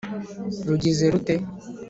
Rugize rute